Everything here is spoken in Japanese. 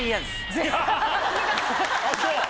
あっそう。